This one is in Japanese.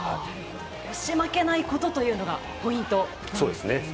押し負けないことというのがポイントだと。